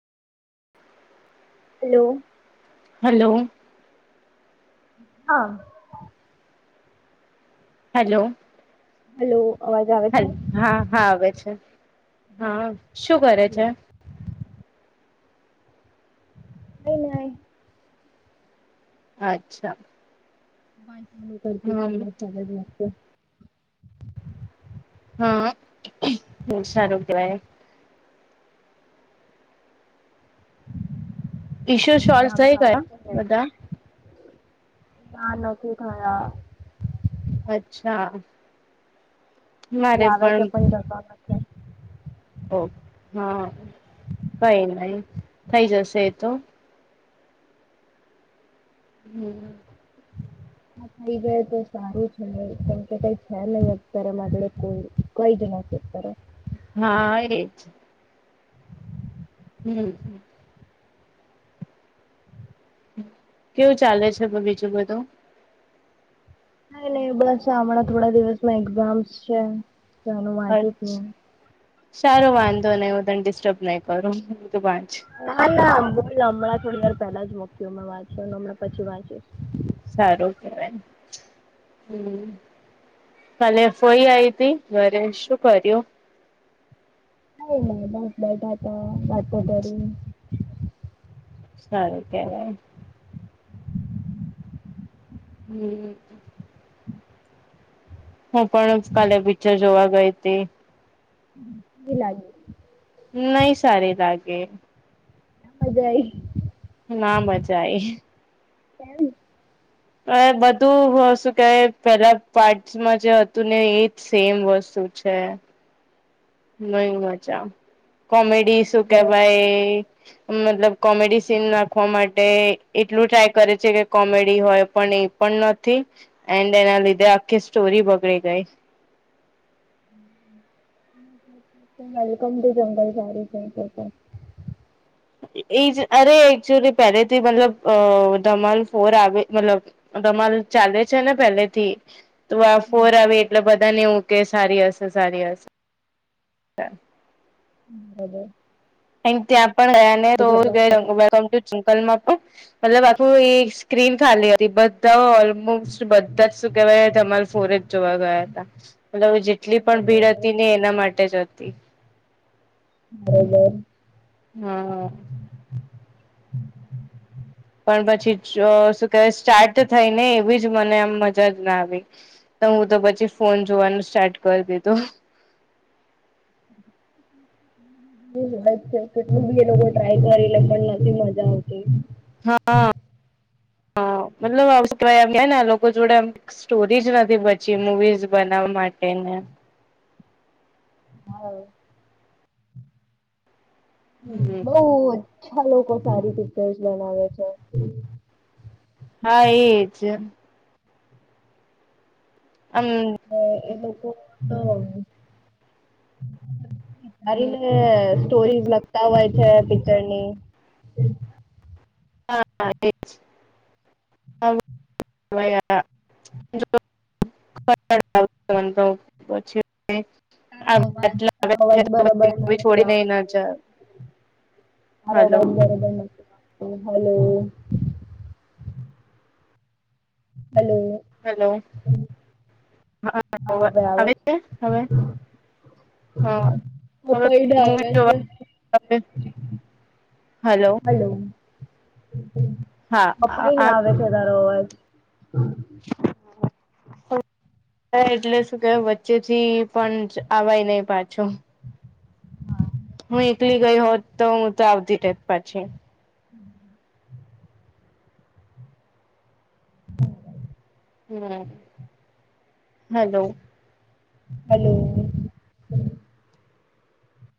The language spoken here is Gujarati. હેલો. હલો. હા. હેલો. હલો અવાજ આવે હ છે હા હા આવે છે હા શું કરે છે? હલો. ન ન [inaudible] [unintelligible] અચ્છા. કરતી ત હમ બ સત હમ હ સારું દવાય ઇસ્યુ સોલ્વ એક્ઝામ થઈ ચાલે ગયા છે ને બધા ના નથી થયા અચ્છા આવે તો પણ જ ઓ હા કઈ નહી થઈ જશે એ તો હમ હા થઈ ગયા તો સારું છે કેમ કે કઈ છે નહ અત્યારેમ આપલે કોઈ કહી જ ના છે તરફ હા એજ હમ કેવું ચાલે છે બીજું બધું હ નને બસ હણાં થોડા દિવસમાં એક્ઝામ્સ છે તો એનું વાંચું છું સારો વાંધો નને હું તને ડિસ્ટર્બ નહી કરું હું તો ના નાં હમણાં થોડી વાર પેલા જ મુક્યું મેં વાંચ્યોમણાં પછી વાંચી સારું કેહેવાય હમ ભાલે ફઈ આવીઈ હતીી ઘરે શું કર્યું ન બસ બેઠા હતા વાટકો કરી સારું કેવાય હમ હું પણ કાલે પિક્ચર જોવા ગઈ હતી એ લાગે નહી સારી લાગે અજાય. ના બચાય. કેમ. બધું શું કે પેલા પાર્ટ્સમાં જે હતું ને એજ સેમ વસ્તુ છે. બ મજા કોમેડી શું કેવાય મતલબ કોમેડી સીન નાખવા માટે એટલું ટ્રાય કરે છે કે કોમેડી હોય પણ એ પણ નથી એન્ડ એના લીધે આખી સ્ટોરી બગડી ગઈ વેલકમથી જંગલ સાર છે તો એ જ અરે એકચુલી પહેલેથી મતલબ અ ધમાલ ફોર આવે મતલબ તમામાલ ચાલે છે ને પેલે થી તું આ ફોર આવી એટલે બધાનેવું કે સારી હશે સારી હશે. બરાબર. ત્યાં પણયા ને તો. જોવા ગયા. અકલમાં પણ મતલબ આખું સ્ક્રીન ખાલી હતી બધા. બધા જ શું કેવાય તમારે ફોરેજ જોવા ગયા હતા. મલ જેટલી પણ ભીડ બરોબર હતી ને એના માટેજ હતી. હમ હા. હા. પણ પછી શું કે સ્ટાર્ટ થઈ ને એવી જ મને આમ મજા જ ના આવી. તો હું તો પછી ફોન જોવાનું સ્ટાર્ટ કરી દીધું. હમ. કેટલું બી એ લોકો ટ્રાય કરી લે પણ નથી મજા આવતી. હા હા મતલબ આવમ ને લોકો જોડે એમ. સ્ટોરીજ નથી બચી મુવીઝ બનાવવા માટેને હ. હમ બઉ અચ્છા લોકો સારી પિક્ચરસ બનાવે છે. હા એજ. હમ. એ લોકોારી. સ્ટોરીઝ લગતા હોય છે પિક્ચરની. હા હા એજ. [inaudible] તો પછી. તારો અવાજ તારો ટ અવાજ બરોબર છોડી નઈ નાજ. હબંધ હલો. હલો. હલો હા અવાજ આવે છે હવે. હા છે. હવે પપૈડા આવે મવી છે. જોવા. હલો હા કપાઈને આ આવે છે તારો અવાજ. હા. એટલે શું કે વચ્ચેથી પણ આય નહ પાછો. હું એકલી ગઈ હોત તો હું તો આવતી ટેટ પાછી. હમ. હમ હલો. હલો.